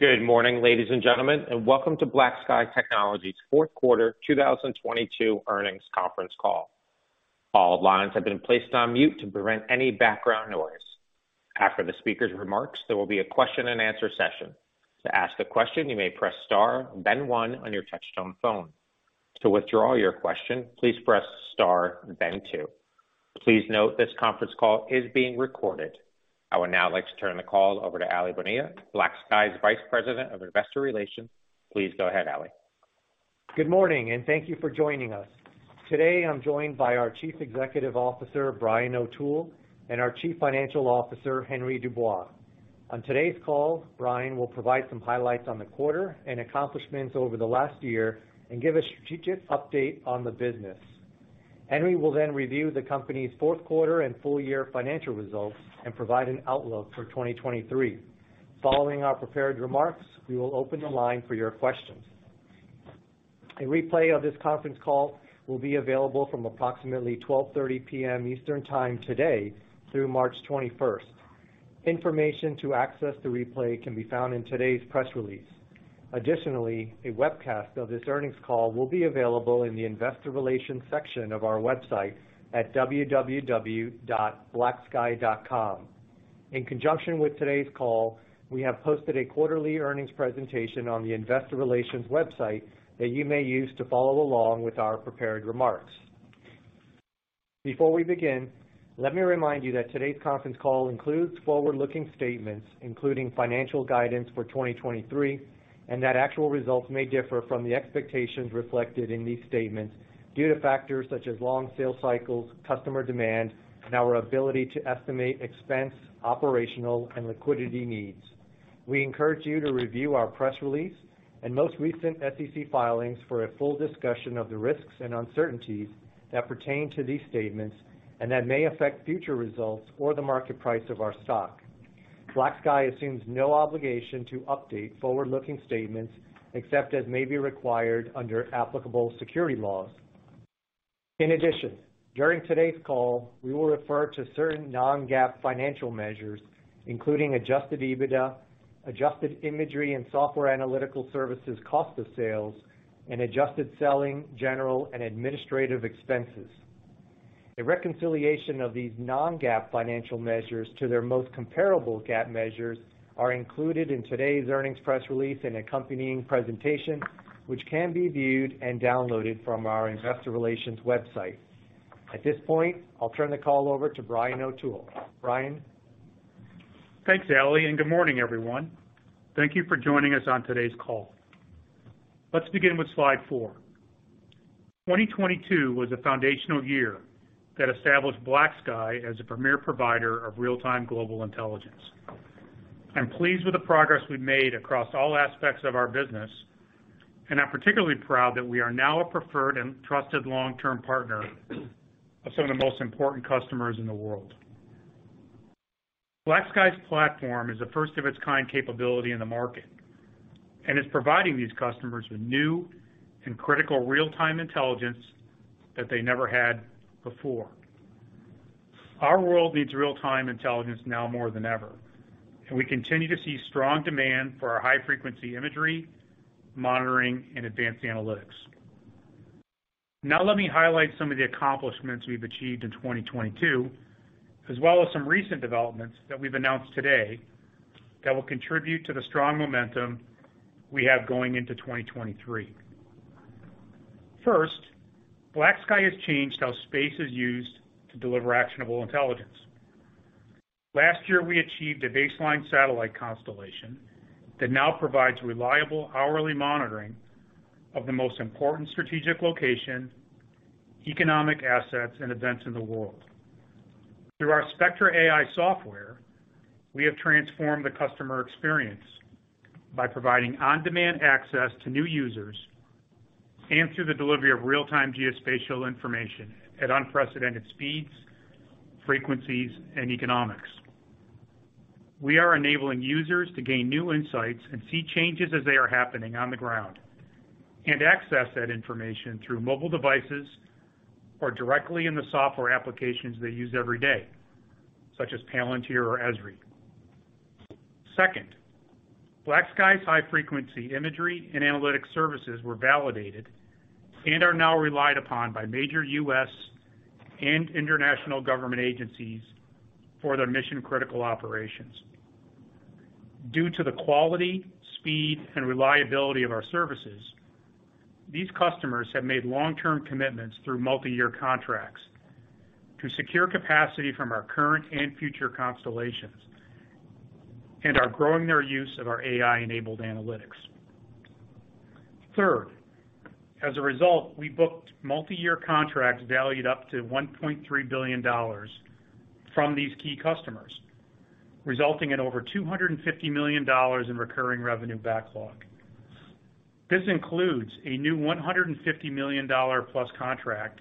Good morning, ladies and gentlemen, and welcome to BlackSky Technology's fourth quarter 2022 earnings conference call. All lines have been placed on mute to prevent any background noise. After the speaker's remarks, there will be a question-and-answer session. To ask a question, you may press star, then one on your touchtone phone. To withdraw your question, please press star then two. Please note this conference call is being recorded. I would now like to turn the call over to Aly Bonilla, BlackSky's Vice President of Investor Relations. Please go ahead, Aly. Good morning, and thank you for joining us. Today I'm joined by our Chief Executive Officer, Brian O'Toole, and our Chief Financial Officer, Henry Dubois. On today's call, Brian will provide some highlights on the quarter and accomplishments over the last year and give a strategic update on the business. Henry will review the company's fourth quarter and full year financial results and provide an outlook for 2023. Following our prepared remarks, we will open the line for your questions. A replay of this conference call will be available from approximately 12:30 P.M. Eastern time today through March 21st. Information to access the replay can be found in today's press release. A webcast of this earnings call will be available in the investor relations section of our website at www.blacksky.com. In conjunction with today's call, we have posted a quarterly earnings presentation on the investor relations website that you may use to follow along with our prepared remarks. Before we begin, let me remind you that today's conference call includes forward-looking statements, including financial guidance for 2023, and that actual results may differ from the expectations reflected in these statements due to factors such as long sales cycles, customer demand, and our ability to estimate expense, operational and liquidity needs. We encourage you to review our press release and most recent SEC filings for a full discussion of the risks and uncertainties that pertain to these statements and that may affect future results or the market price of our stock. BlackSky assumes no obligation to update forward-looking statements except as may be required under applicable security laws. In addition, during today's call, we will refer to certain non-GAAP financial measures, including adjusted EBITDA, adjusted imagery and software analytical services cost of sales, and adjusted selling general and administrative expenses. A reconciliation of these non-GAAP financial measures to their most comparable GAAP measures are included in today's earnings press release and accompanying presentation, which can be viewed and downloaded from our investor relations website. At this point, I'll turn the call over to Brian O'Toole. Brian? Thanks, Aly. Good morning, everyone. Thank you for joining us on today's call. Let's begin with slide four. 2022 was a foundational year that established BlackSky as a premier provider of real-time global intelligence. I'm pleased with the progress we've made across all aspects of our business, and I'm particularly proud that we are now a preferred and trusted long-term partner of some of the most important customers in the world. BlackSky's platform is the first of its kind capability in the market and is providing these customers with new and critical real-time intelligence that they never had before. Our world needs real-time intelligence now more than ever, and we continue to see strong demand for our high-frequency imagery, monitoring and advanced analytics. Let me highlight some of the accomplishments we've achieved in 2022, as well as some recent developments that we've announced today that will contribute to the strong momentum we have going into 2023. First, BlackSky has changed how space is used to deliver actionable intelligence. Last year, we achieved a baseline satellite constellation that now provides reliable hourly monitoring of the most important strategic location, economic assets and events in the world. Through our Spectra AI software, we have transformed the customer experience by providing on-demand access to new users and through the delivery of real-time geospatial information at unprecedented speeds, frequencies and economics. We are enabling users to gain new insights and see changes as they are happening on the ground and access that information through mobile devices or directly in the software applications they use every day, such as Palantir or Esri. Second, BlackSky's high-frequency imagery and analytics services were validated and are now relied upon by major U.S. and international government agencies for their mission-critical operations. Due to the quality, speed and reliability of our services, these customers have made long-term commitments through multi-year contracts to secure capacity from our current and future constellations and are growing their use of our AI-enabled analytics. Third, as a result, we booked multi-year contracts valued up to $1.3 billion from these key customers, resulting in over $250 million in recurring revenue backlog. This includes a new $150 million+ contract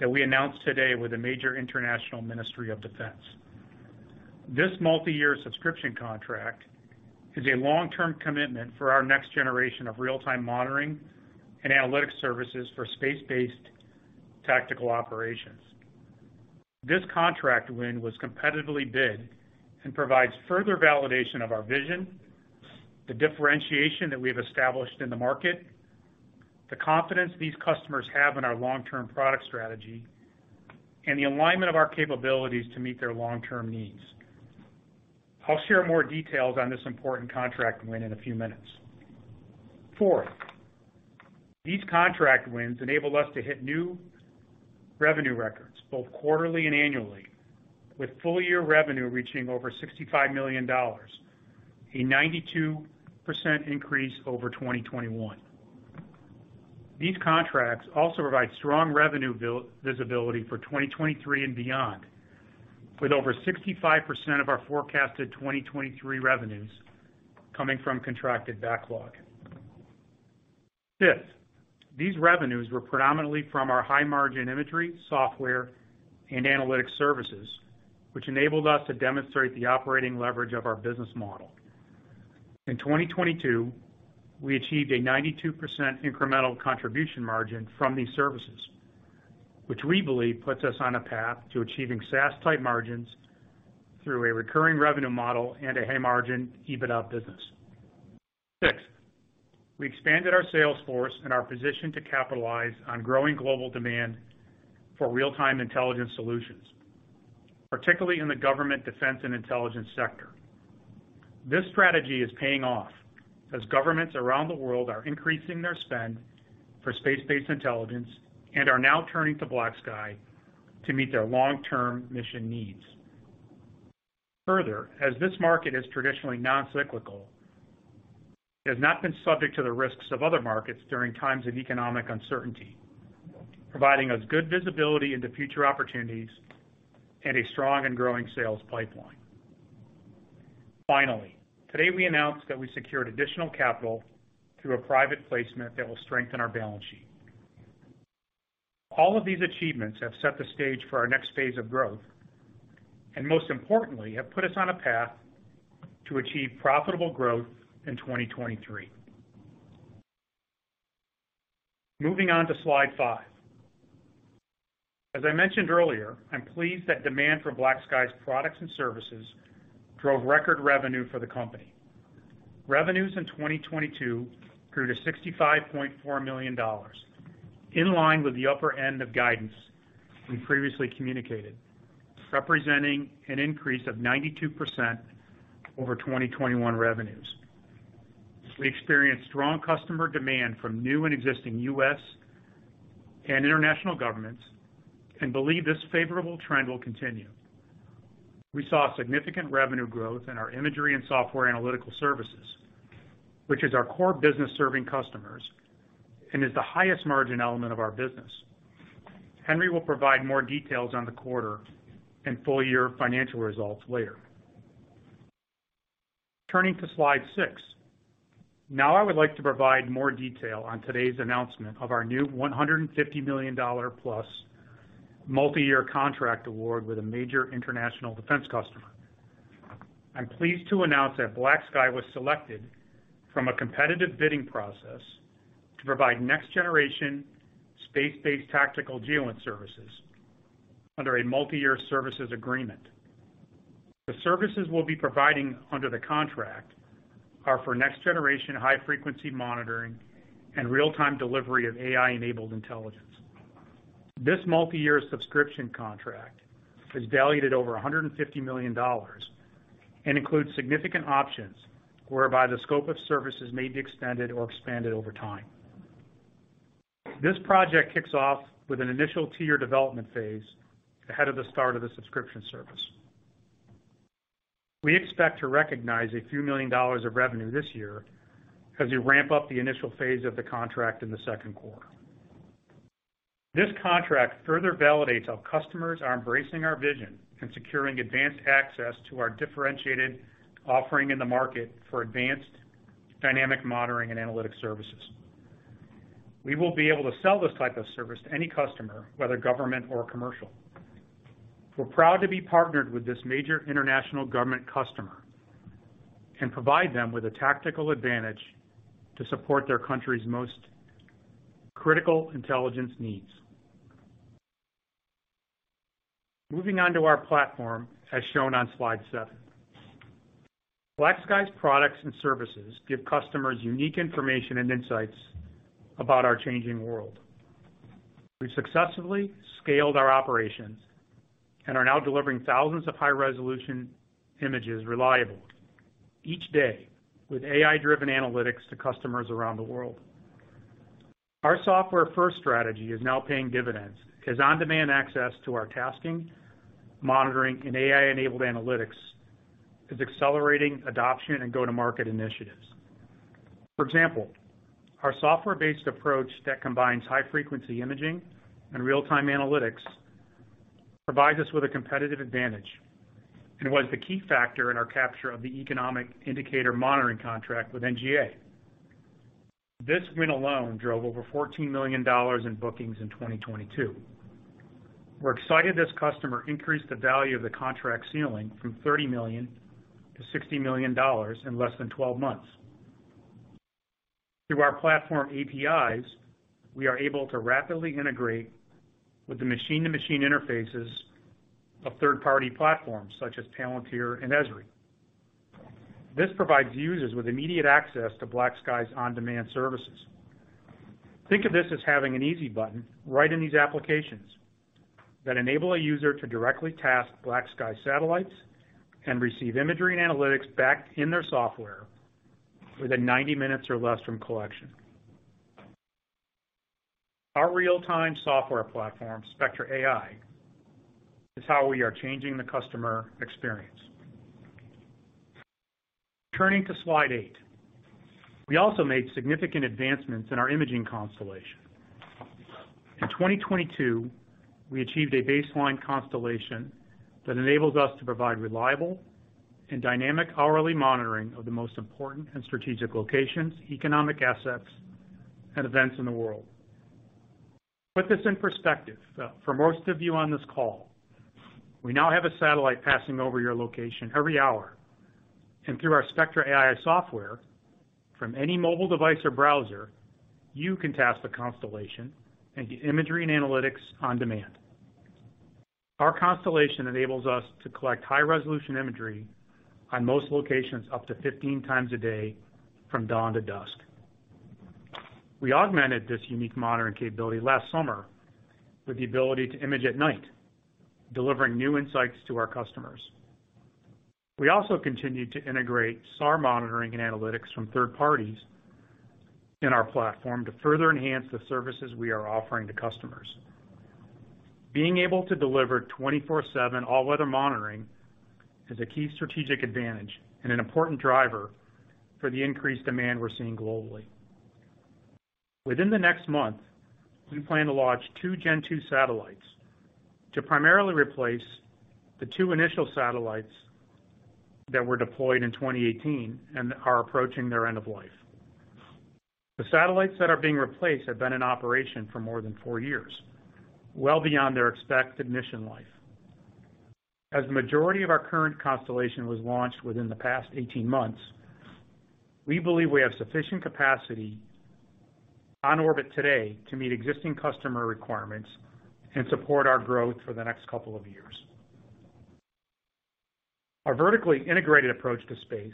that we announced today with a major international Ministry of Defense. This multi-year subscription contract is a long-term commitment for our next generation of real-time monitoring and analytics services for space-based tactical operations. This contract win was competitively bid and provides further validation of our vision, the differentiation that we have established in the market, the confidence these customers have in our long-term product strategy, and the alignment of our capabilities to meet their long-term needs. I'll share more details on this important contract win in a few minutes. Fourth, these contract wins enable us to hit new revenue records both quarterly and annually, with full-year revenue reaching over $65 million, a 92% increase over 2021. These contracts also provide strong revenue visibility for 2023 and beyond, with over 65% of our forecasted 2023 revenues coming from contracted backlog. Fifth, these revenues were predominantly from our high-margin imagery, software, and analytics services, which enabled us to demonstrate the operating leverage of our business model. In 2022, we achieved a 92% incremental contribution margin from these services, which we believe puts us on a path to achieving SaaS-type margins through a recurring revenue model and a high-margin EBITDA business. Sixth, we expanded our sales force and our position to capitalize on growing global demand for real-time intelligence solutions, particularly in the government defense and intelligence sector. This strategy is paying off as governments around the world are increasing their spend for space-based intelligence and are now turning to BlackSky to meet their long-term mission needs. As this market is traditionally non-cyclical, it has not been subject to the risks of other markets during times of economic uncertainty, providing us good visibility into future opportunities and a strong and growing sales pipeline. Today we announced that we secured additional capital through a private placement that will strengthen our balance sheet. All of these achievements have set the stage for our next phase of growth and most importantly, have put us on a path to achieve profitable growth in 2023. Moving on to slide five. As I mentioned earlier, I'm pleased that demand for BlackSky's products and services drove record revenue for the company. Revenues in 2022 grew to $65.4 million, in line with the upper end of guidance we previously communicated, representing an increase of 92% over 2021 revenues. We experienced strong customer demand from new and existing U.S. and international governments and believe this favorable trend will continue. We saw significant revenue growth in our imagery and software analytical services, which is our core business serving customers and is the highest margin element of our business. Henry will provide more details on the quarter and full-year financial results later. Turning to slide six. I would like to provide more detail on today's announcement of our new $150 million+ multi-year contract award with a major international defense customer. I'm pleased to announce that BlackSky was selected from a competitive bidding process to provide next-generation space-based tactical GEOINT services under a multi-year services agreement. The services we'll be providing under the contract are for next-generation high-frequency monitoring and real-time delivery of AI-enabled intelligence. This multi-year subscription contract is valued at over $150 million and includes significant options whereby the scope of services may be extended or expanded over time. This project kicks off with an initial two-year development phase ahead of the start of the subscription service. We expect to recognize a few million dollars of revenue this year as we ramp up the initial phase of the contract in the second quarter. This contract further validates how customers are embracing our vision and securing advanced access to our differentiated offering in the market for advanced dynamic monitoring and analytics services. We will be able to sell this type of service to any customer, whether government or commercial. We're proud to be partnered with this major international government customer and provide them with a tactical advantage to support their country's most critical intelligence needs. Moving on to our platform, as shown on slide seven. BlackSky's products and services give customers unique information and insights about our changing world. We've successfully scaled our operations and are now delivering thousands of high-resolution images reliably each day with AI-driven analytics to customers around the world. Our software-first strategy is now paying dividends as on-demand access to our tasking, monitoring, and AI-enabled analytics is accelerating adoption and go-to-market initiatives. For example, our software-based approach that combines high-frequency imaging and real-time analytics provides us with a competitive advantage and was the key factor in our capture of the economic indicator monitoring contract with NGA. This win alone drove over $14 million in bookings in 2022. We're excited this customer increased the value of the contract ceiling from $30 million to $60 million in less than 12 months. Through our platform APIs, we are able to rapidly integrate with the machine-to-machine interfaces of third-party platforms such as Palantir and Esri. This provides users with immediate access to BlackSky's on-demand services. Think of this as having an easy button right in these applications that enable a user to directly task BlackSky satellites and receive imagery and analytics back in their software within 90 minutes or less from collection. Our real-time software platform, Spectra AI, is how we are changing the customer experience. Turning to slide eight. We also made significant advancements in our imaging constellation. In 2022, we achieved a baseline constellation that enables us to provide reliable and dynamic hourly monitoring of the most important and strategic locations, economic assets, and events in the world. Put this in perspective, for most of you on this call, we now have a satellite passing over your location every hour. Through our Spectra AI software, from any mobile device or browser, you can task the constellation and get imagery and analytics on demand. Our constellation enables us to collect high-resolution imagery on most locations up to 15x a day from dawn to dusk. We augmented this unique monitoring capability last summer with the ability to image at night, delivering new insights to our customers. We also continued to integrate SAR monitoring and analytics from third parties in our platform to further enhance the services we are offering to customers. Being able to deliver 24/7 all-weather monitoring is a key strategic advantage and an important driver for the increased demand we're seeing globally. Within the next month, we plan to launch two Gen-2 satellites to primarily replace the two initial satellites that were deployed in 2018 and are approaching their end of life. The satellites that are being replaced have been in operation for more than four years, well beyond their expected mission life. As the majority of our current constellation was launched within the past 18 months, we believe we have sufficient capacity on orbit today to meet existing customer requirements and support our growth for the next couple of years. Our vertically integrated approach to space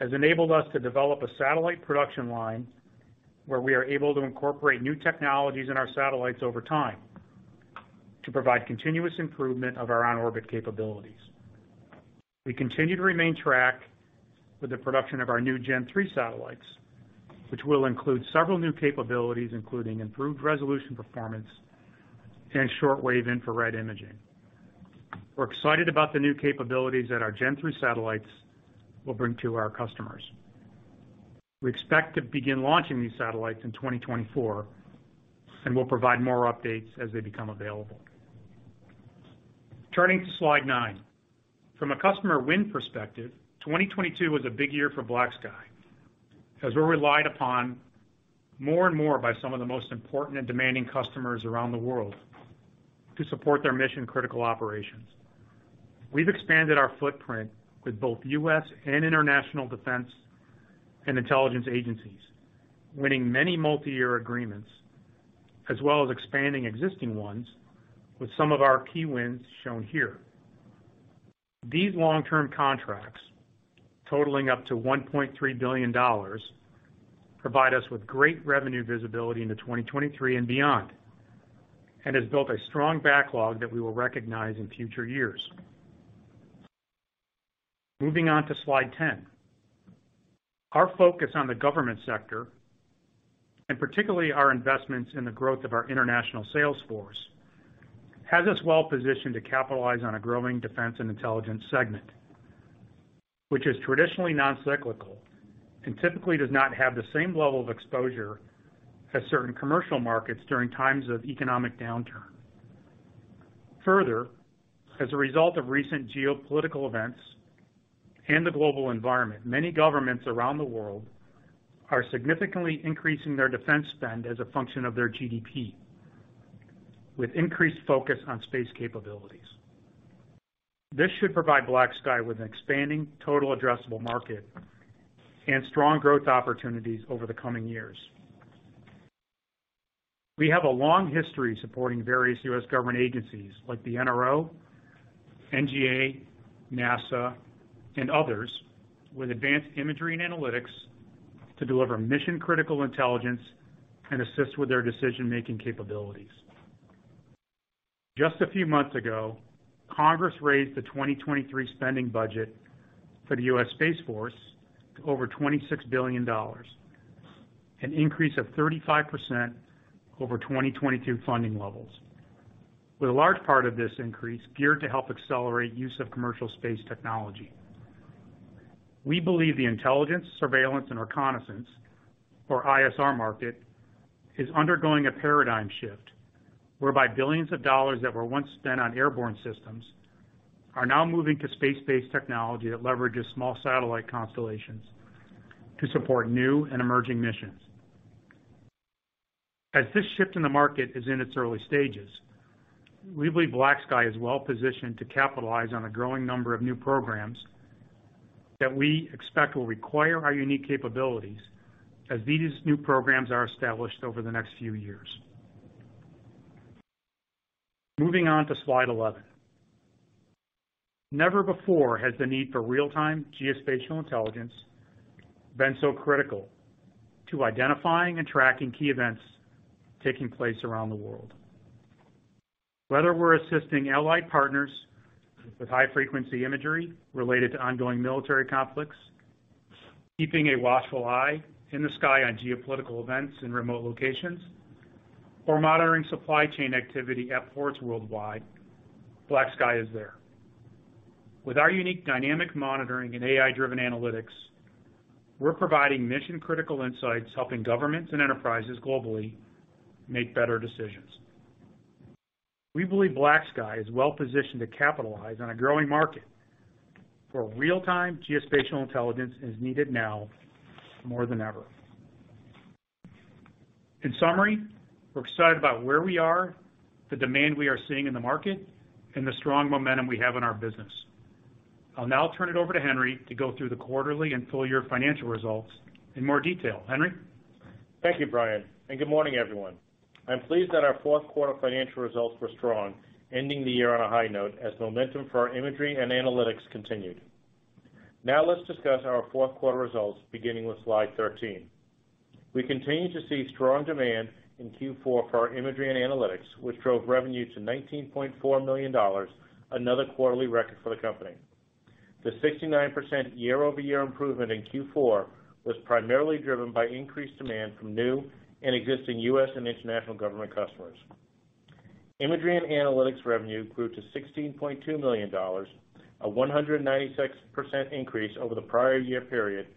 has enabled us to develop a satellite production line where we are able to incorporate new technologies in our satellites over time to provide continuous improvement of our on-orbit capabilities. We continue to remain track with the production of our new Gen-3 satellites, which will include several new capabilities, including improved resolution performance and shortwave infrared imaging. We're excited about the new capabilities that our Gen-3 satellites will bring to our customers. We expect to begin launching these satellites in 2024. We'll provide more updates as they become available. Turning to slide nine. From a customer win perspective, 2022 was a big year for BlackSky, as we're relied upon more and more by some of the most important and demanding customers around the world to support their mission-critical operations. We've expanded our footprint with both U.S. and international defense and intelligence agencies, winning many multi-year agreements, as well as expanding existing ones with some of our key wins shown here. These long-term contracts, totaling up to $1.3 billion, provide us with great revenue visibility into 2023 and beyond, and has built a strong backlog that we will recognize in future years. Moving on to slide 10. Our focus on the government sector, and particularly our investments in the growth of our international sales force, has us well positioned to capitalize on a growing defense and intelligence segment, which is traditionally non-cyclical and typically does not have the same level of exposure as certain commercial markets during times of economic downturn. Further, as a result of recent geopolitical events and the global environment, many governments around the world are significantly increasing their defense spend as a function of their GDP, with increased focus on space capabilities. This should provide BlackSky with an expanding total addressable market and strong growth opportunities over the coming years. We have a long history supporting various U.S. government agencies like the NRO, NGA, NASA, and others with advanced imagery and analytics to deliver mission-critical intelligence and assist with their decision-making capabilities. Just a few months ago, Congress raised the 2023 spending budget for the U.S. Space Force to over $26 billion, an increase of 35% over 2022 funding levels, with a large part of this increase geared to help accelerate use of commercial space technology. We believe the intelligence, surveillance, and reconnaissance or ISR market is undergoing a paradigm shift whereby billions of dollars that were once spent on airborne systems are now moving to space-based technology that leverages small satellite constellations to support new and emerging missions. As this shift in the market is in its early stages, we believe BlackSky is well-positioned to capitalize on a growing number of new programs that we expect will require our unique capabilities as these new programs are established over the next few years. Moving on to slide 11. Never before has the need for real-time geospatial intelligence been so critical to identifying and tracking key events taking place around the world. Whether we're assisting allied partners with high-frequency imagery related to ongoing military conflicts, keeping a watchful eye in the sky on geopolitical events in remote locations, or monitoring supply chain activity at ports worldwide, BlackSky is there. With our unique dynamic monitoring and AI-driven analytics, we're providing mission-critical insights, helping governments and enterprises globally make better decisions. We believe BlackSky is well-positioned to capitalize on a growing market, for real-time geospatial intelligence is needed now more than ever. In summary, we're excited about where we are, the demand we are seeing in the market, and the strong momentum we have in our business. I'll now turn it over to Henry to go through the quarterly and full year financial results in more detail. Henry? Thank you, Brian. Good morning, everyone. I'm pleased that our fourth quarter financial results were strong, ending the year on a high note as momentum for our imagery and analytics continued. Let's discuss our fourth quarter results beginning with slide 13. We continue to see strong demand in Q4 for our imagery and analytics, which drove revenue to $19.4 million, another quarterly record for the company. The 69% year-over-year improvement in Q4 was primarily driven by increased demand from new and existing U.S. and international government customers. Imagery and analytics revenue grew to $16.2 million, a 196% increase over the prior year period,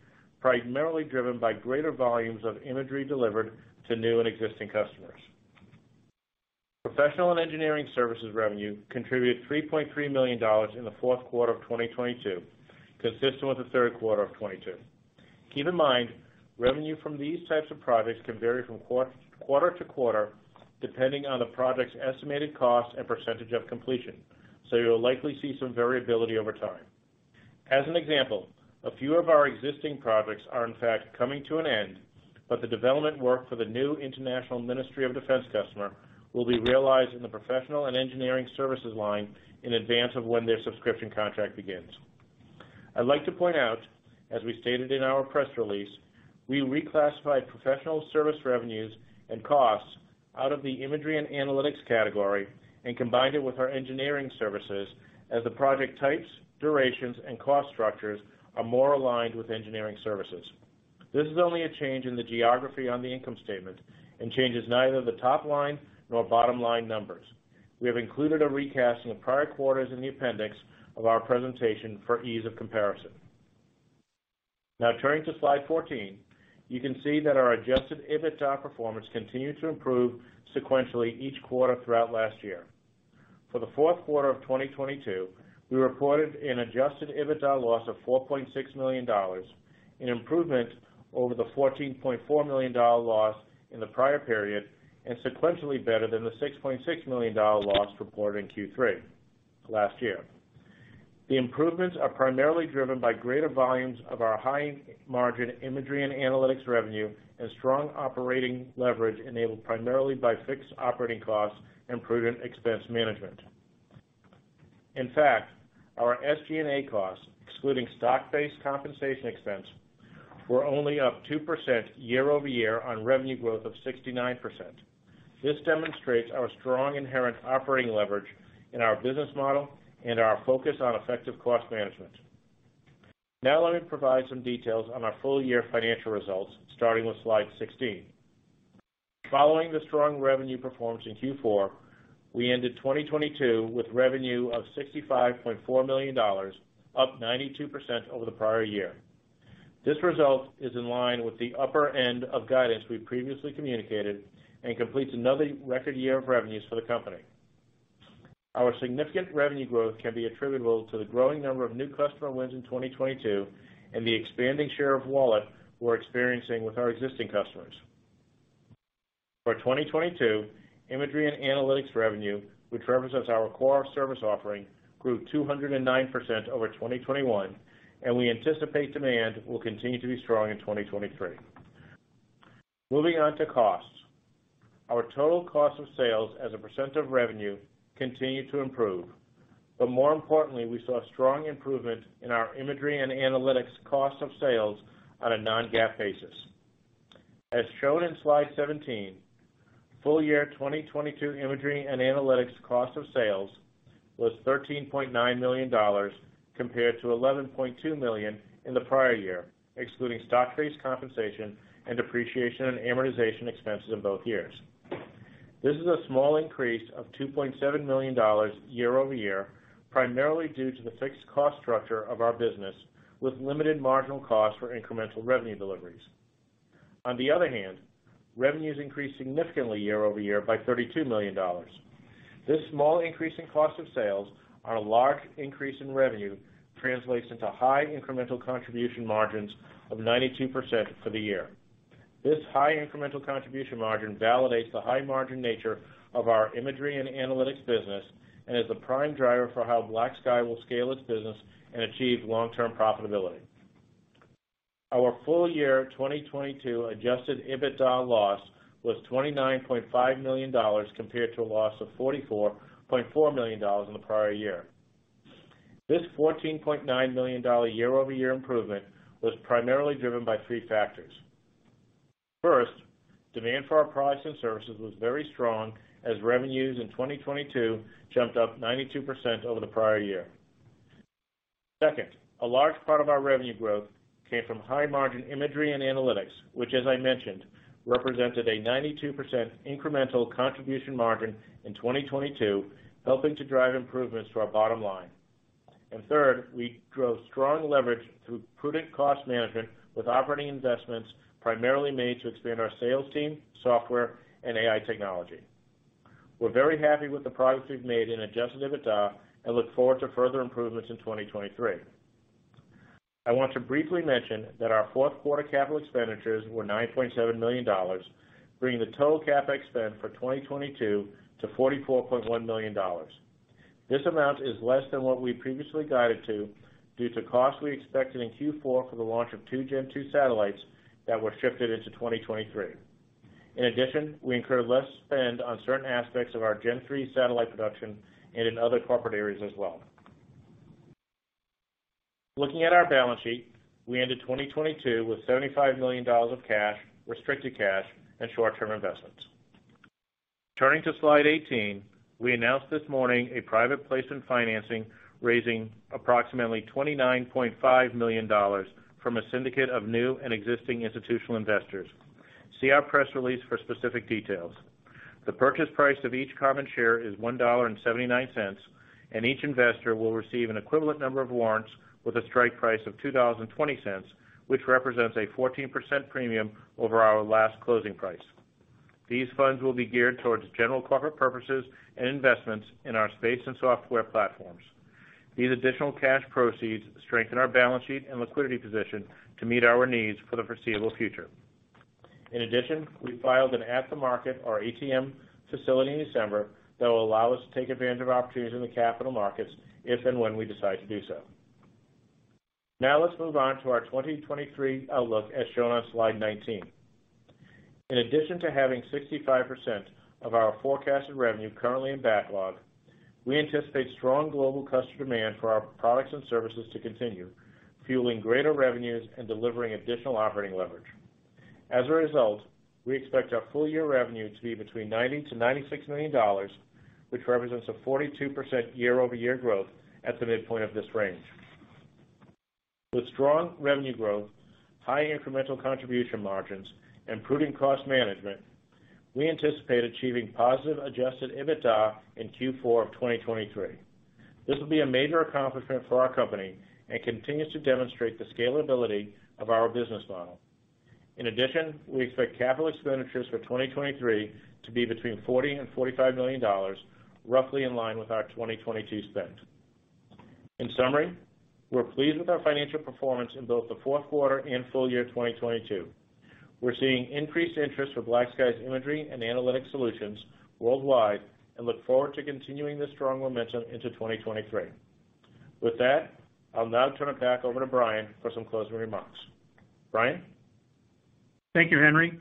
primarily driven by greater volumes of imagery delivered to new and existing customers. Professional and engineering services revenue contributed $3.3 million in the fourth quarter of 2022, consistent with the third quarter of 22. Keep in mind, revenue from these types of projects can vary from quarter to quarter, depending on the project's estimated cost and percentage of completion, so you'll likely see some variability over time. As an example, a few of our existing projects are, in fact, coming to an end, but the development work for the new international Ministry of Defense customer will be realized in the professional and engineering services line in advance of when their subscription contract begins. I'd like to point out, as we stated in our press release, we reclassified professional service revenues and costs out of the imagery and analytics category and combined it with our engineering services as the project types, durations, and cost structures are more aligned with engineering services. This is only a change in the geography on the income statement and changes neither the top line nor bottom-line numbers. We have included a recast in the prior quarters in the appendix of our presentation for ease of comparison. Turning to slide 14, you can see that our adjusted EBITDA performance continued to improve sequentially each quarter throughout last year. For the fourth quarter of 2022, we reported an adjusted EBITDA loss of $4.6 million, an improvement over the $14.4 million loss in the prior period and sequentially better than the $6.6 million loss reported in Q3 last year. The improvements are primarily driven by greater volumes of our high margin imagery and analytics revenue and strong operating leverage enabled primarily by fixed operating costs and prudent expense management. In fact, our SG&A costs, excluding stock-based compensation expense, were only up 2% year-over-year on revenue growth of 69%. This demonstrates our strong inherent operating leverage in our business model and our focus on effective cost management. Let me provide some details on our full year financial results, starting with slide 16. Following the strong revenue performance in Q4, we ended 2022 with revenue of $65.4 million, up 92% over the prior year. This result is in line with the upper end of guidance we previously communicated and completes another record year of revenues for the company. Our significant revenue growth can be attributable to the growing number of new customer wins in 2022 and the expanding share of wallet we're experiencing with our existing customers. For 2022, imagery and analytics revenue, which represents our core service offering, grew 209% over 2021. We anticipate demand will continue to be strong in 2023. Moving on to costs. Our total cost of sales as a % of revenue continued to improve. More importantly, we saw strong improvement in our imagery and analytics cost of sales on a non-GAAP basis. As shown in slide 17, full year 2022 imagery and analytics cost of sales was $13.9 million compared to $11.2 million in the prior year, excluding stock-based compensation and depreciation and amortization expenses in both years. This is a small increase of $2.7 million year-over-year, primarily due to the fixed cost structure of our business with limited marginal cost for incremental revenue deliveries. On the other hand, revenues increased significantly year-over-year by $32 million. This small increase in cost of sales on a large increase in revenue translates into high incremental contribution margins of 92% for the year. This high incremental contribution margin validates the high margin nature of our imagery and analytics business, and is the prime driver for how BlackSky will scale its business and achieve long-term profitability. Our full year 2022 adjusted EBITDA loss was $29.5 million compared to a loss of $44.4 million in the prior year. This $14.9 million year-over-year improvement was primarily driven by three factors. First, demand for our products and services was very strong as revenues in 2022 jumped up 92% over the prior year. Second, a large part of our revenue growth came from high-margin imagery and analytics, which as I mentioned, represented a 92% incremental contribution margin in 2022, helping to drive improvements to our bottom line. Third, we drove strong leverage through prudent cost management with operating investments primarily made to expand our sales team, software, and AI technology. We're very happy with the progress we've made in adjusted EBITDA and look forward to further improvements in 2023. I want to briefly mention that our fourth quarter capital expenditures were $9.7 million, bringing the total CapEx spend for 2022 to $44.1 million. This amount is less than what we previously guided to due to costs we expected in Q4 for the launch of two Gen-2 satellites that were shifted into 2023. We incurred less spend on certain aspects of our Gen-3 satellite production and in other corporate areas as well. Looking at our balance sheet, we ended 2022 with $75 million of cash, restricted cash, and short-term investments. Turning to slide 18. We announced this morning a private placement financing raising approximately $29.5 million from a syndicate of new and existing institutional investors. See our press release for specific details. The purchase price of each common share is $1.79, and each investor will receive an equivalent number of warrants with a strike price of $2.20, which represents a 14% premium over our last closing price. These funds will be geared towards general corporate purposes and investments in our space and software platforms. These additional cash proceeds strengthen our balance sheet and liquidity position to meet our needs for the foreseeable future. In addition, we filed an at-the-market or ATM facility in December that will allow us to take advantage of opportunities in the capital markets if and when we decide to do so. Now let's move on to our 2023 outlook as shown on slide 19. In addition to having 65% of our forecasted revenue currently in backlog, we anticipate strong global customer demand for our products and services to continue, fueling greater revenues and delivering additional operating leverage. As a result, we expect our full year revenue to be between $90 million-$96 million, which represents a 42% year-over-year growth at the midpoint of this range. With strong revenue growth, high incremental contribution margins, and prudent cost management, we anticipate achieving positive adjusted EBITDA in Q4 of 2023. This will be a major accomplishment for our company and continues to demonstrate the scalability of our business model. In addition, we expect capital expenditures for 2023 to be between $40 million and $45 million, roughly in line with our 2022 spend. In summary, we're pleased with our financial performance in both the fourth quarter and full year 2022. We're seeing increased interest for BlackSky's imagery and analytic solutions worldwide and look forward to continuing this strong momentum into 2023. With that, I'll now turn it back over to Brian for some closing remarks. Brian? Thank you, Henry.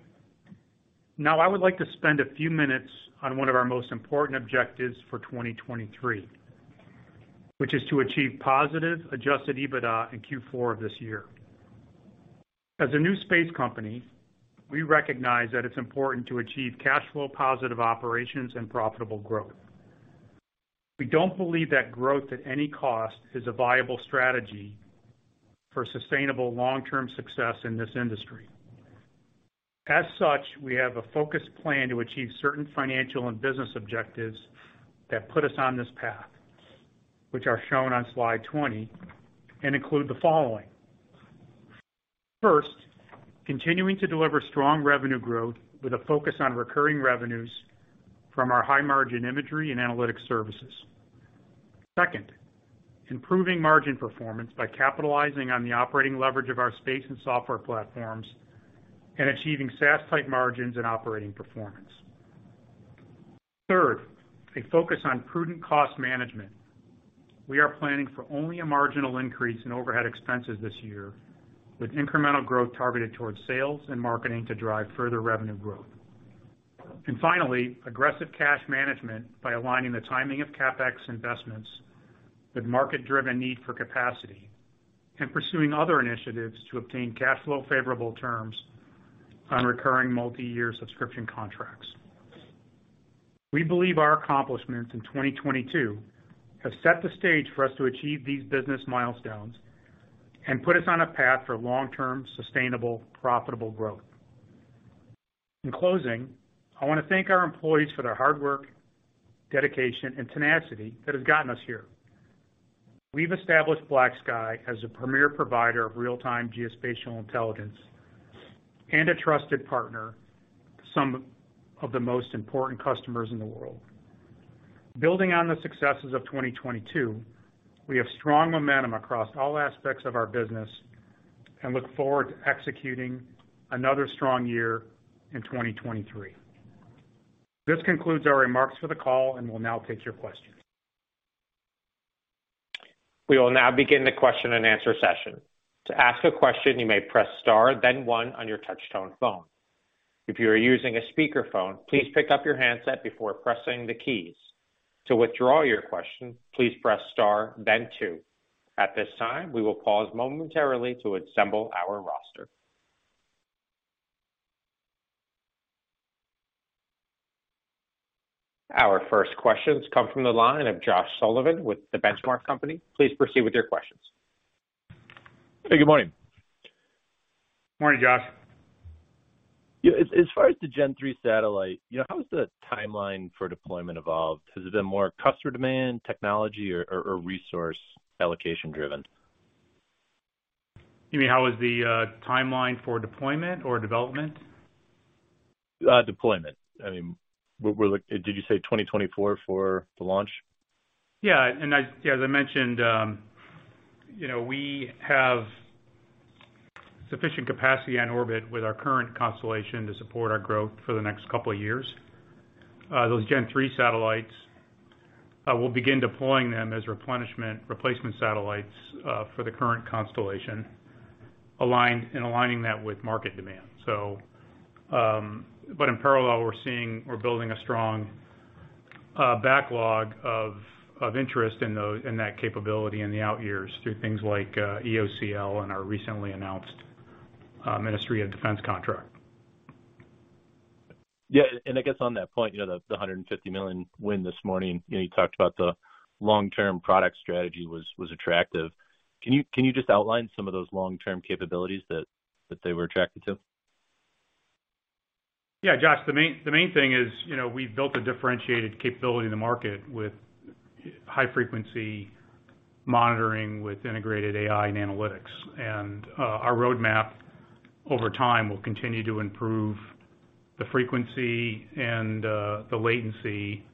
I would like to spend a few minutes on one of our most important objectives for 2023, which is to achieve positive adjusted EBITDA in Q4 of this year. As a new space company, we recognize that it's important to achieve cash flow positive operations and profitable growth. We don't believe that growth at any cost is a viable strategy for sustainable long-term success in this industry. We have a focused plan to achieve certain financial and business objectives that put us on this path, which are shown on slide 20 and include the following. First, continuing to deliver strong revenue growth with a focus on recurring revenues from our high-margin imagery and analytics services. Second, improving margin performance by capitalizing on the operating leverage of our space and software platforms and achieving SaaS-type margins and operating performance. Third, a focus on prudent cost management. We are planning for only a marginal increase in overhead expenses this year with incremental growth targeted towards sales and marketing to drive further revenue growth. Finally, aggressive cash management by aligning the timing of CapEx investments with market-driven need for capacity and pursuing other initiatives to obtain cash flow favorable terms on recurring multi-year subscription contracts. We believe our accomplishments in 2022 have set the stage for us to achieve these business milestones and put us on a path for long-term, sustainable, profitable growth. In closing, I wanna thank our employees for their hard work, dedication, and tenacity that has gotten us here. We've established BlackSky as a premier provider of real-time geospatial intelligence and a trusted partner to some of the most important customers in the world. Building on the successes of 2022, we have strong momentum across all aspects of our business and look forward to executing another strong year in 2023. This concludes our remarks for the call, and we'll now take your questions. We will now begin the question and answer session. To ask a question, you may press Star, then one on your touchtone phone. If you are using a speakerphone, please pick up your handset before pressing the keys. To withdraw your question, please press Star then two. At this time, we will pause momentarily to assemble our roster. Our first questions come from the line of Josh Sullivan with The Benchmark Company. Please proceed with your questions. Hey, good morning. Morning, Josh. Yeah. As far as the Gen-3 satellite, you know, how has the timeline for deployment evolved? Has it been more customer demand, technology or resource allocation driven? You mean how is the timeline for deployment or development? Deployment. I mean, Did you say 2024 for the launch? As I mentioned, you know, we have sufficient capacity on orbit with our current constellation to support our growth for the next couple of years. Those Gen-3 satellites, we'll begin deploying them as replenishment replacement satellites for the current constellation, aligning that with market demand. In parallel, we're building a strong backlog of interest in that capability in the out years through things like EOCL and our recently announced Ministry of Defense contract. Yeah. I guess on that point, you know, the $150 million win this morning, you know, you talked about the long-term product strategy was attractive. Can you just outline some of those long-term capabilities that they were attracted to? Yeah, Josh, the main thing is, you know, we've built a differentiated capability in the market with high frequency monitoring, with integrated AI and analytics. Our roadmap over time will continue to improve the frequency and the latency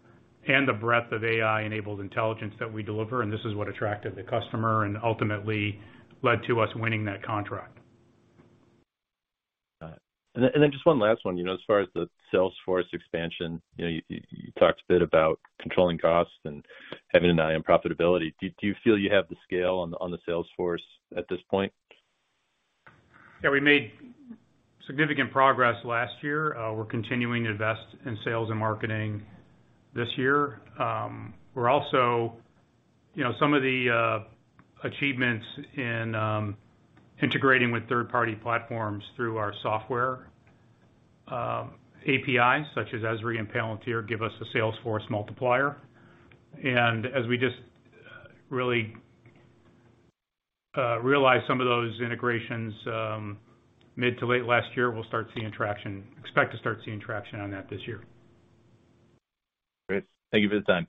and the breadth of AI-enabled intelligence that we deliver, and this is what attracted the customer and ultimately led to us winning that contract. Got it. Then just one last one. You know, as far as the sales force expansion, you know, you talked a bit about controlling costs and having an eye on profitability. Do you feel you have the scale on the sales force at this point? Yeah, we made significant progress last year. We're continuing to invest in sales and marketing this year. We're also, you know, some of the achievements in integrating with third-party platforms through our software APIs such as Esri and Palantir give us a sales force multiplier. As we just, really, realize some of those integrations mid to late last year, we'll start seeing traction, expect to start seeing traction on that this year. Great. Thank you for the time.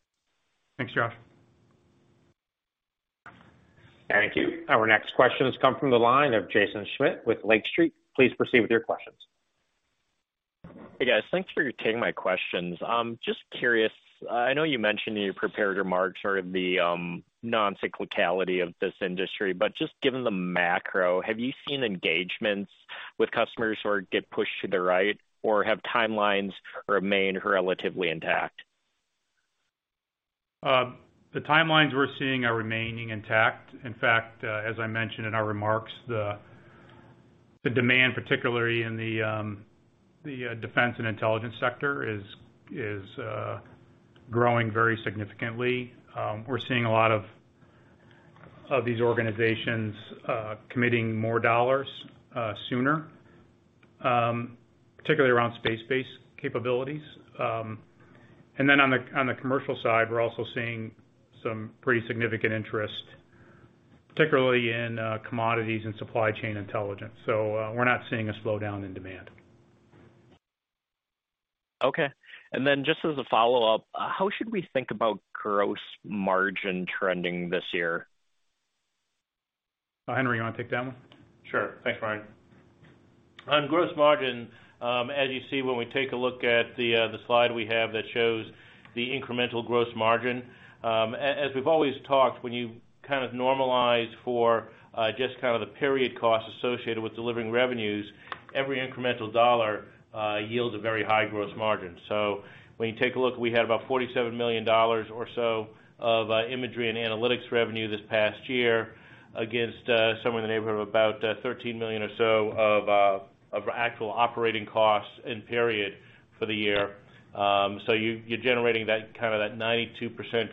Thanks, Josh. Thank you. Our next questions come from the line of Jaeson Schmidt with Lake Street. Please proceed with your questions. Hey, guys. Thanks for taking my questions. Just curious, I know you mentioned in your prepared remarks sort of the non-cyclicality of this industry, just given the macro, have you seen engagements with customers who are get pushed to the right or have timelines remained relatively intact? The timelines we're seeing are remaining intact. As I mentioned in our remarks, the demand, particularly in the defense and intelligence sector, is growing very significantly. We're seeing a lot of these organizations committing more dollars sooner, particularly around space-based capabilities. On the commercial side, we're also seeing some pretty significant interest, particularly in commodities and supply chain intelligence. We're not seeing a slowdown in demand. Okay. Just as a follow-up, how should we think about gross margin trending this year? Henry, you wanna take that one? Sure. Thanks, Brian. On gross margin, as you see when we take a look at the slide we have that shows the incremental gross margin. As we've always talked, when you kind of normalize for just kind of the period costs associated with delivering revenues, every incremental dollar yields a very high gross margin. When you take a look, we had about $47 million or so of imagery and analytics revenue this past year against somewhere in the neighborhood of about $13 million or so of actual operating costs in period for the year. You're generating that, kind of that 92%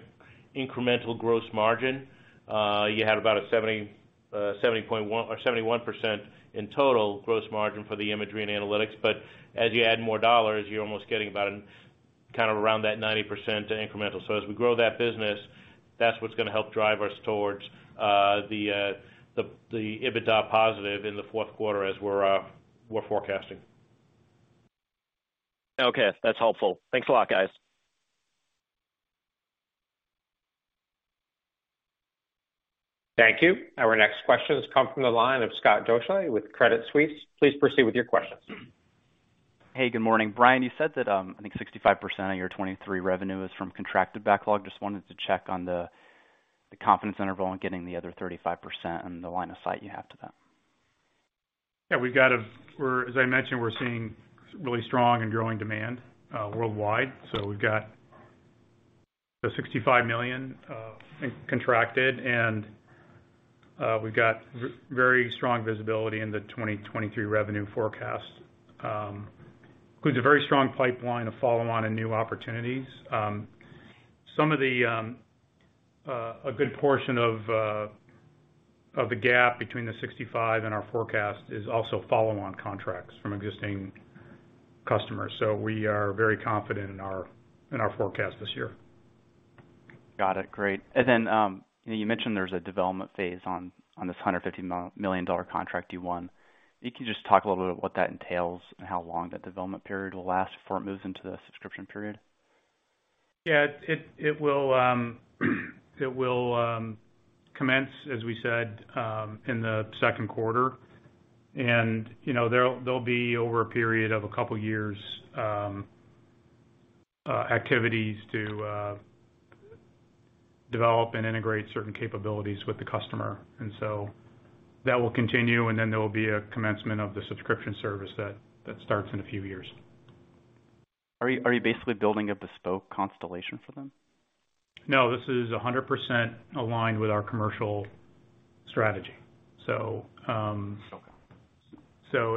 incremental gross margin. You had about a 70.1 or 71% in total gross margin for the imagery and analytics. As you add more dollars, you're almost getting about an kind of around that 90% incremental. As we grow that business, that's what's gonna help drive us towards the EBITDA positive in the fourth quarter as we're forecasting. Okay. That's helpful. Thanks a lot, guys. Thank you. Our next question has come from the line of Scott Deuschle with Credit Suisse. Please proceed with your questions. Hey, good morning. Brian, you said that, I think 65% of your 2023 revenue is from contracted backlog. Just wanted to check on the confidence interval on getting the other 35% and the line of sight you have to that. Yeah, as I mentioned, we're seeing really strong and growing demand worldwide. We've got the $65 million in contracted, we've got very strong visibility in the 2023 revenue forecast. Includes a very strong pipeline of follow-on and new opportunities. Some of the, a good portion of the gap between the $65 million and our forecast is also follow on contracts from existing customers. We are very confident in our forecast this year. Got it. Great. You know, you mentioned there's a development phase on this $150 million contract you won. You can just talk a little bit what that entails and how long that development period will last before it moves into the subscription period. Yeah. It will commence, as we said, in the second quarter. You know, there'll be over a period of a couple years, activities to develop and integrate certain capabilities with the customer. That will continue, there will be a commencement of the subscription service that starts in a few years. Are you basically building a bespoke constellation for them? No, this is 100% aligned with our commercial strategy. Okay.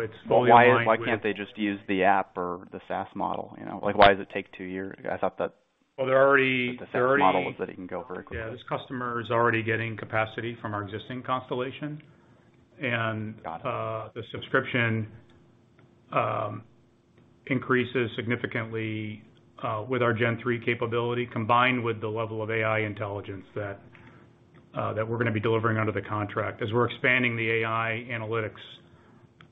It's fully aligned with- Why can't they just use the app or the SaaS model, you know? Like, why does it take two years? Well, they're. The SaaS model was that it can go very quickly. Yeah. This customer is already getting capacity from our existing constellation. Got it.... the subscription, increases significantly, with our Gen-3 capability, combined with the level of AI intelligence that we're gonna be delivering under the contract as we're expanding the AI analytics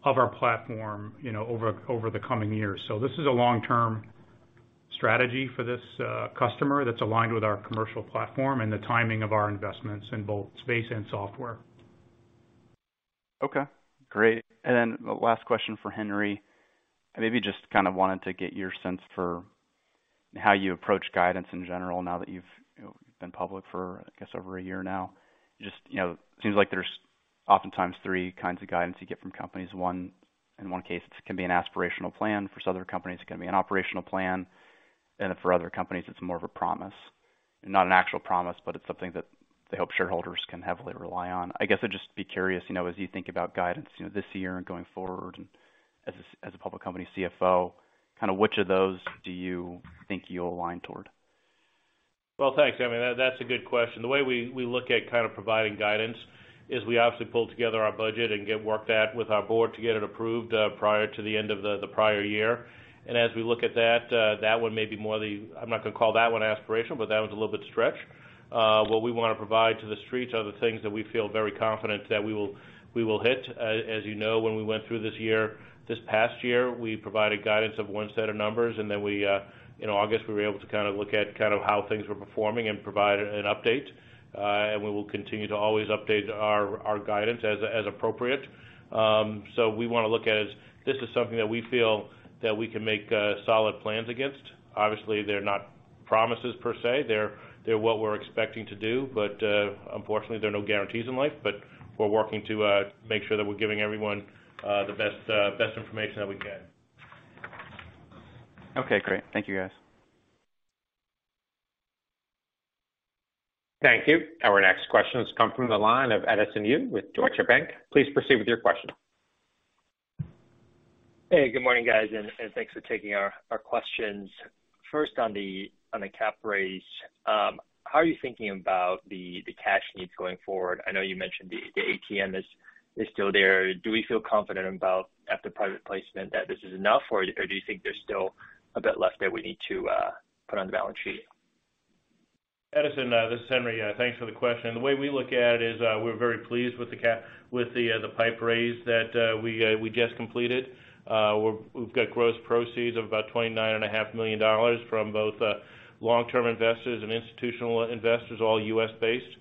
of our platform, you know, over the coming years. This is a long-term strategy for this, customer that's aligned with our commercial platform and the timing of our investments in both space and software. Okay. Great. The last question for Henry. I maybe just kind of wanted to get your sense for how you approach guidance in general now that you've, you know, been public for, I guess, over a year now. Just, you know, seems like there's oftentimes three kinds of guidance you get from companies. One, in one case, it can be an aspirational plan. For other companies, it can be an operational plan. For other companies, it's more of a promise, not an actual promise, but it's something that they hope shareholders can heavily rely on. I guess I'd just be curious, you know, as you think about guidance, you know, this year and going forward as a public company CFO, kind of which of those do you think you'll align toward? Well, thanks. I mean, that's a good question. The way we look at kind of providing guidance is we obviously pull together our budget and get work that with our board to get it approved prior to the end of the prior year. As we look at that one may be more the... I'm not gonna call that one aspirational, but that one's a little bit stretched. What we wanna provide to the streets are the things that we feel very confident that we will hit. As you know, when we went through this year, this past year, we provided guidance of one set of numbers, then we in August, we were able to kind of look at kind of how things were performing and provide an update. We will continue to always update our guidance as appropriate. We wanna look at it as this is something that we feel that we can make solid plans against. Obviously, they're not promises per se. They're what we're expecting to do. Unfortunately, there are no guarantees in life. We're working to make sure that we're giving everyone the best information that we can. Okay, great. Thank you, guys. Thank you. Our next question has come from the line of Edison Yu with Deutsche Bank. Please proceed with your question. Hey, good morning, guys, and thanks for taking our questions. First on the cap raise. How are you thinking about the cash needs going forward? I know you mentioned the ATM is still there. Do we feel confident about the private placement that this is enough, or do you think there's still a bit left that we need to put on the balance sheet? Edison, this is Henry. Thanks for the question. The way we look at it is, we're very pleased with the PIPE raise that we just completed. We've got gross proceeds of about $29.5 million from both long-term investors and institutional investors, all U.S.-based.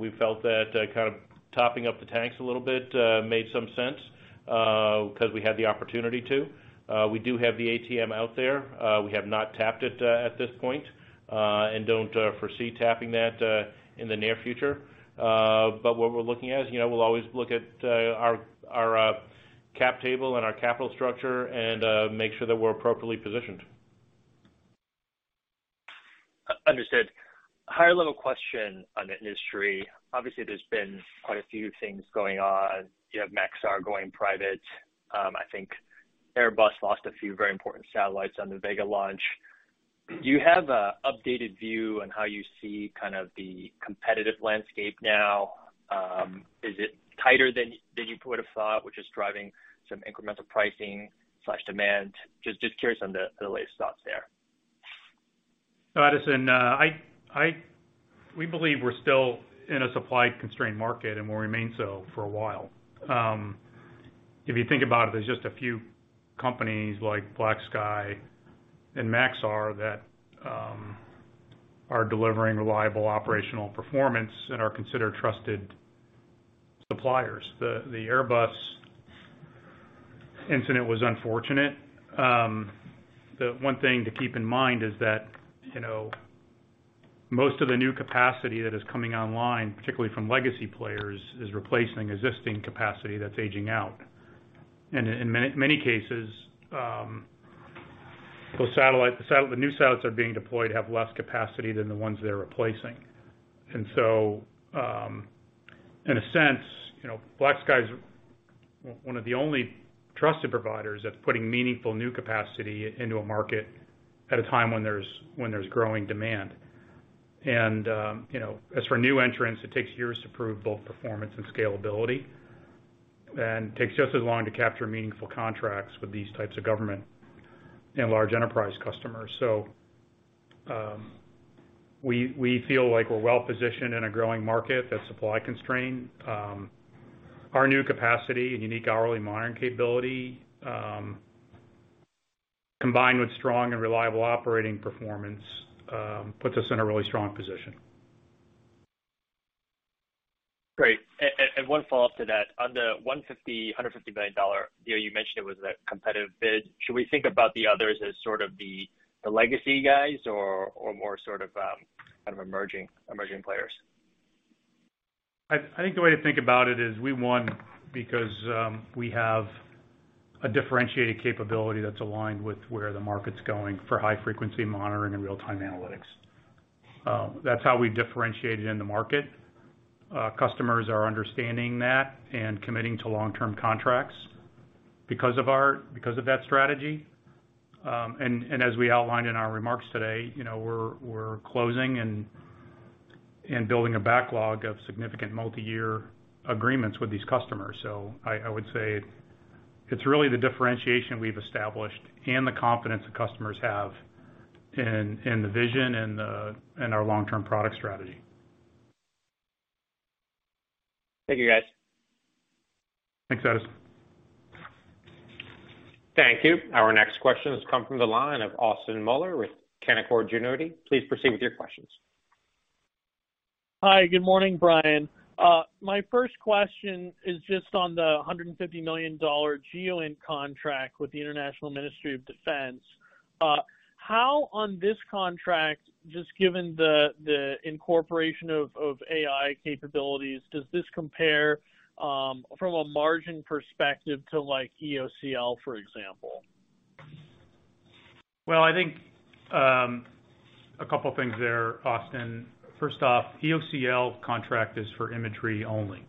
We felt that kind of topping up the tanks a little bit made some sense 'cause we had the opportunity to. We do have the ATM out there. We have not tapped it at this point and don't foresee tapping that in the near future. What we're looking at is, you know, we'll always look at our cap table and our capital structure and make sure that we're appropriately positioned. Understood. Higher level question on the industry. Obviously, there's been quite a few things going on. You have Maxar going private. I think Airbus lost a few very important satellites on the Vega launch. Do you have a updated view on how you see kind of the competitive landscape now? Is it tighter than you would have thought, which is driving some incremental pricing/demand? Just curious on the latest thoughts there. Edison, we believe we're still in a supply-constrained market, and will remain so for a while. If you think about it, there's just a few companies like BlackSky and Maxar that are delivering reliable operational performance and are considered trusted suppliers. The Airbus incident was unfortunate. The one thing to keep in mind is that, you know, most of the new capacity that is coming online, particularly from legacy players, is replacing existing capacity that's aging out. In many cases, those new satellites are being deployed have less capacity than the ones they're replacing. So, in a sense, you know, BlackSky's one of the only trusted providers that's putting meaningful new capacity into a market at a time when there's, when there's growing demand. You know, as for new entrants, it takes years to prove both performance and scalability. Takes just as long to capture meaningful contracts with these types of government and large enterprise customers. We feel like we're well positioned in a growing market that's supply-constrained. Our new capacity and unique hourly monitoring capability, combined with strong and reliable operating performance, puts us in a really strong position. Great. One follow-up to that. On the $150 million deal you mentioned it was a competitive bid, should we think about the others as sort of the legacy guys or more sort of kind of emerging players? I think the way to think about it is we won because we have a differentiated capability that's aligned with where the market's going for high frequency monitoring and real-time analytics. That's how we differentiated in the market. Customers are understanding that and committing to long-term contracts because of that strategy. As we outlined in our remarks today, you know, we're closing and building a backlog of significant multi-year agreements with these customers. I would say it's really the differentiation we've established and the confidence the customers have in the vision and in our long-term product strategy. Thank you, guys. Thanks, Edison. Thank you. Our next question has come from the line of Austin Moeller with Canaccord Genuity. Please proceed with your questions. Hi, good morning, Brian. My first question is just on the $150 million GEOINT contract with the International Ministry of Defense. How on this contract, just given the incorporation of AI capabilities, does this compare from a margin perspective to, like, EOCL, for example? Well, I think, a couple things there, Austin. First off, EOCL contract is for imagery only.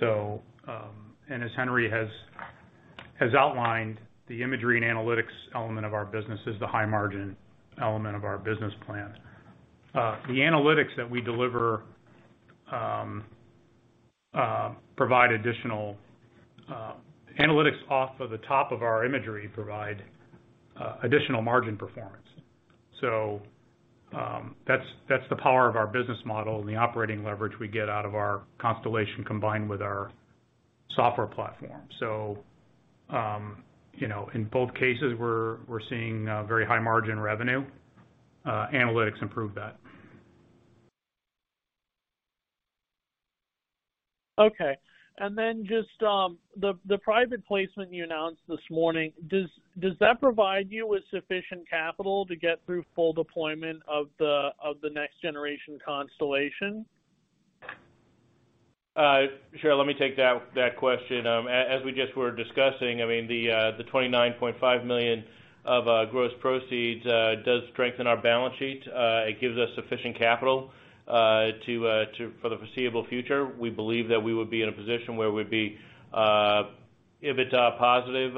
And as Henry has outlined, the imagery and analytics element of our business is the high margin element of our business plan. The analytics that we deliver, provide additional analytics off of the top of our imagery provide additional margin performance. That's the power of our business model and the operating leverage we get out of our constellation combined with our software platform. You know, in both cases we're seeing very high margin revenue. Analytics improve that. Just the private placement you announced this morning, does that provide you with sufficient capital to get through full deployment of the next generation constellation? Sure. Let me take that question. As we just were discussing, I mean, the $29.5 million of gross proceeds does strengthen our balance sheet. It gives us sufficient capital to for the foreseeable future. We believe that we would be in a position where we'd be EBITDA positive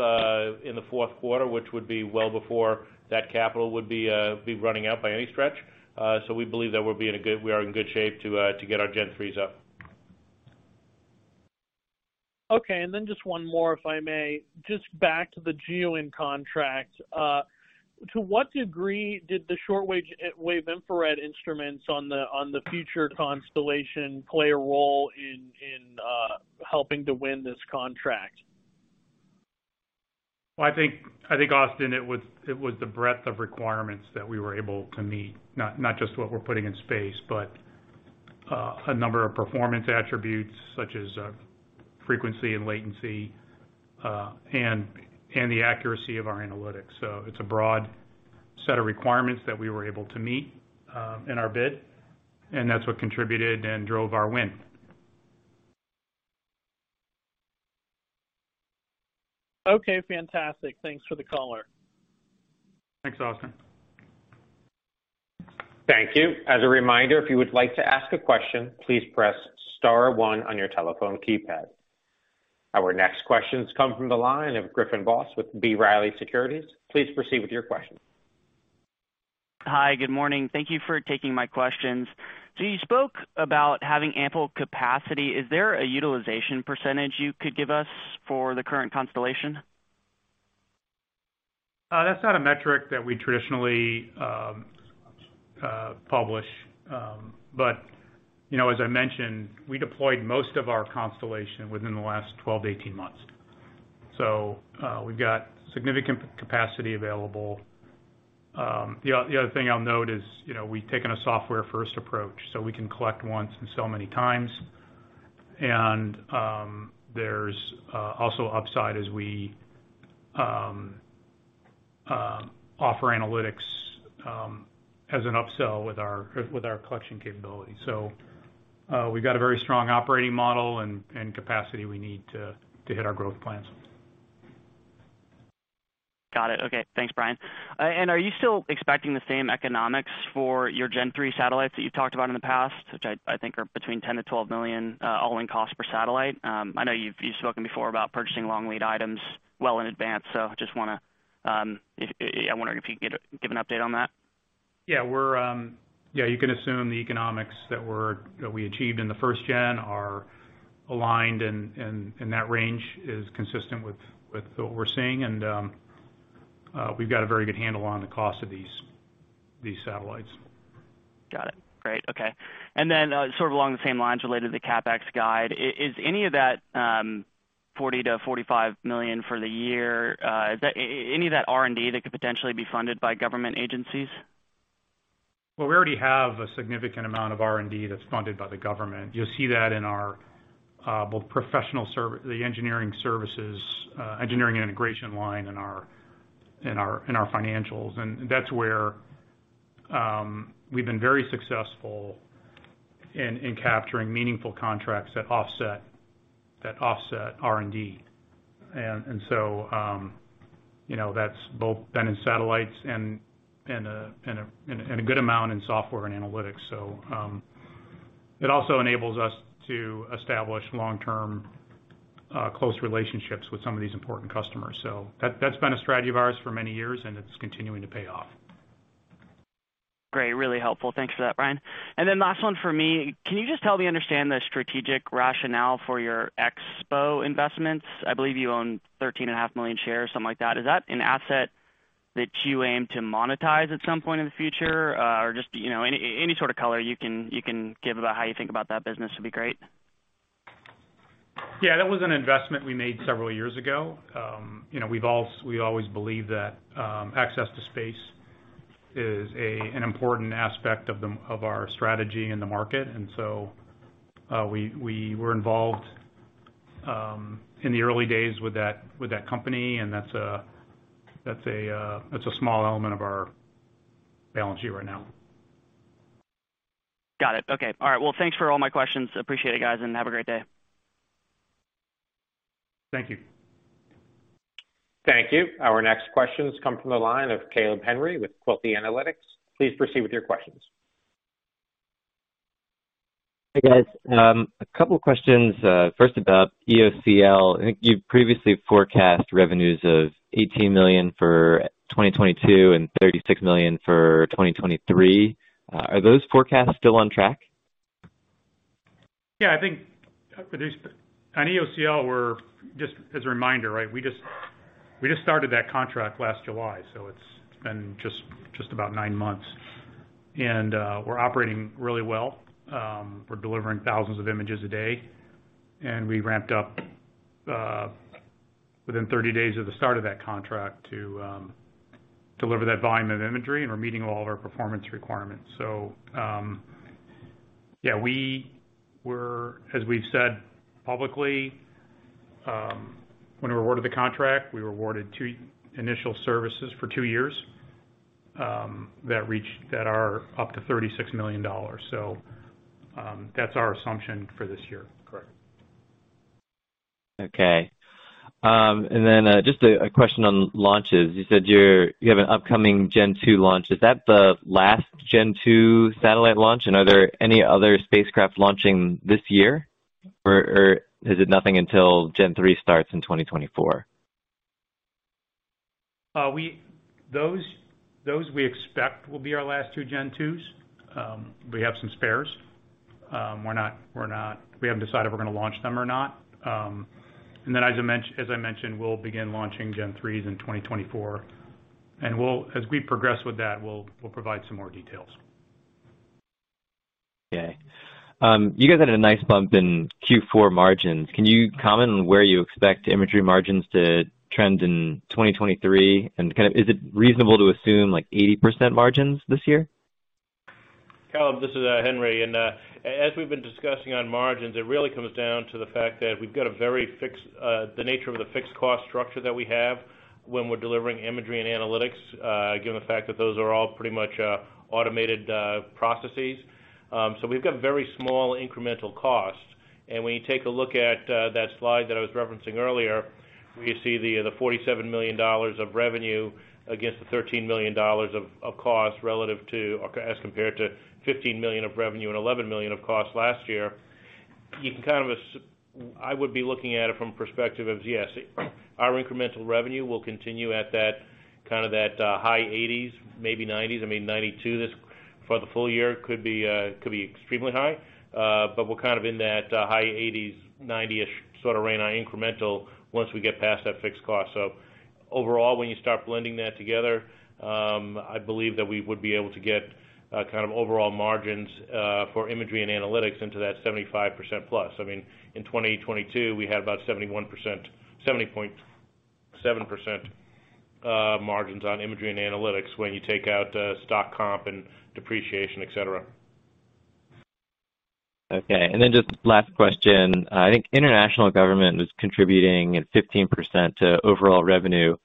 in the fourth quarter, which would be well before that capital would be running out by any stretch. We believe that we are in good shape to get our Gen-3s up. Okay. Then just one more, if I may. Just back to the GEOINT contract. To what degree did the shortwave infrared instruments on the future constellation play a role in helping to win this contract? Well, I think, Austin, it was the breadth of requirements that we were able to meet, not just what we're putting in space, but a number of performance attributes such as frequency and latency, and the accuracy of our analytics. It's a broad set of requirements that we were able to meet in our bid, and that's what contributed and drove our win. Okay, fantastic. Thanks for the color. Thanks, Austin. Thank you. As a reminder, if you would like to ask a question, please press star one on your telephone keypad. Our next question's come from the line of Griffin Boss with B. Riley Securities. Please proceed with your question. Hi, good morning. Thank you for taking my questions. You spoke about having ample capacity. Is there a utilization % you could give us for the current constellation? That's not a metric that we traditionally publish. You know, as I mentioned, we deployed most of our constellation within the last 12 to 18 months. We've got significant capacity available. The other thing I'll note is, you know, we've taken a software first approach, so we can collect once and so many times. There's also upside as we offer analytics as an upsell with our collection capabilities. We've got a very strong operating model and capacity we need to hit our growth plans. Got it. Okay. Thanks, Brian. Are you still expecting the same economics for your Gen-3 satellites that you've talked about in the past, which I think are between $10 million-$12 million all-in cost per satellite? I know you've spoken before about purchasing long lead items well in advance, so I just wanna, I wonder if you could give an update on that. Yeah, you can assume the economics that we achieved in the first Gen are aligned and that range is consistent with what we're seeing. We've got a very good handle on the cost of these satellites. Got it. Great. Okay. sort of along the same lines related to the CapEx guide. Is any of that, $40 million-$45 million for the year, any of that R&D that could potentially be funded by government agencies? Well, we already have a significant amount of R&D that's funded by the government. You'll see that in our both the engineering services, engineering and integration line in our financials. That's where we've been very successful in capturing meaningful contracts that offset R&D. You know, that's both been in satellites and a good amount in software and analytics. It also enables us to establish long-term close relationships with some of these important customers. That's been a strategy of ours for many years, and it's continuing to pay off. Great. Really helpful. Thanks for that, Brian. Last one for me. Can you just help me understand the strategic rationale for your X-Bow investments? I believe you own 13 and a half million shares, something like that. Is that an asset that you aim to monetize at some point in the future? Or just, you know, any sort of color you can give about how you think about that business would be great. Yeah, that was an investment we made several years ago. you know, we always believed that, access to space is a, an important aspect of the, of our strategy in the market. We were involved, in the early days with that, with that company, and that's a small element of our balance sheet right now. Got it. Okay. All right. Well, thanks for all my questions. Appreciate it, guys, and have a great day. Thank you. Thank you. Our next questions come from the line of Caleb Henry with Quilty Analytics. Please proceed with your questions. Hey, guys. A couple questions. First about EOCL. I think you previously forecast revenues of $18 million for 2022 and $36 million for 2023. Are those forecasts still on track? Yeah, I think on EOCL, just as a reminder, right? We just started that contract last July, so it's been just about nine months. We're operating really well. We're delivering thousands of images a day. We ramped up within 30 days of the start of that contract to deliver that volume of imagery, and we're meeting all of our performance requirements. Yeah, we were, as we've said publicly, when we were awarded the contract, we were awarded two initial services for two years, that reach, that are up to $36 million. That's our assumption for this year. Correct. Okay. Just question on launches. You said you're, you have an upcoming Gen-2 launch. Is that the last Gen-2 satellite launch? Are there any other spacecraft launching this year? Or is it nothing until Gen-3 starts in 2024? Those we expect will be our last two Gen-2s. We have some spares. We haven't decided if we're gonna launch them or not. As I mentioned, we'll begin launching Gen-3s in 2024. We'll as we progress with that, we'll provide some more details. Okay. You guys had a nice bump in Q4 margins. Can you comment on where you expect imagery margins to trend in 2023? Kind of is it reasonable to assume like 80% margins this year? Caleb, this is Henry. As we've been discussing on margins, it really comes down to the fact that we've got a very fixed, the nature of the fixed cost structure that we have when we're delivering imagery and analytics, given the fact that those are all pretty much automated processes. So we've got very small incremental costs. When you take a look at that slide that I was referencing earlier, where you see the $47 million of revenue against the $13 million of cost relative to, or as compared to $15 million of revenue and $11 million of cost last year. You can kind of I would be looking at it from perspective of, yes, our incremental revenue will continue at that kind of that high 80s, maybe 90s. I mean, 92% this, for the full year could be extremely high. We're kind of in that high 80s, 90-ish sort of range on incremental once we get past that fixed cost. Overall, when you start blending that together, I believe that we would be able to get kind of overall margins for imagery and analytics into that 75%+. I mean, in 2022, we had about 71%, 70.7% margins on imagery and analytics when you take out stock comp and depreciation, et cetera. Okay. Just last question. I think international government is contributing at 15% to overall revenue.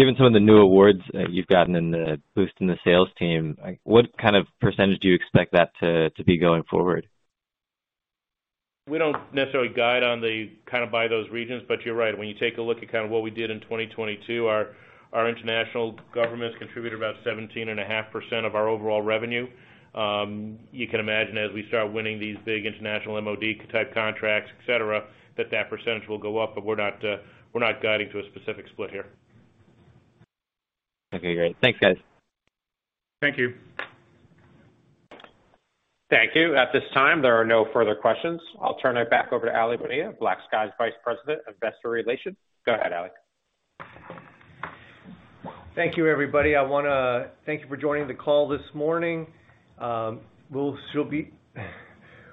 Given some of the new awards that you've gotten and the boost in the sales team, like what kind of % do you expect that to be going forward? We don't necessarily guide on the kind of by those regions, but you're right. When you take a look at kind of what we did in 2022, our international governments contributed about 17.5% of our overall revenue. You can imagine as we start winning these big international MOD-type contracts, et cetera, that percentage will go up, but we're not guiding to a specific split here. Okay, great. Thanks, guys. Thank you. Thank you. At this time, there are no further questions. I'll turn it back over to Aly Bonilla, BlackSky's Vice President of Investor Relations. Go ahead, Aly. Thank you, everybody. I wanna thank you for joining the call this morning.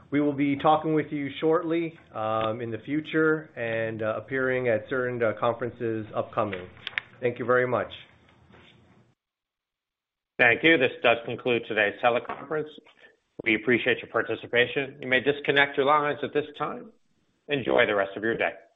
We will be talking with you shortly, in the future and appearing at certain conferences upcoming. Thank you very much. Thank you. This does conclude today's teleconference. We appreciate your participation. You may disconnect your lines at this time. Enjoy the rest of your day.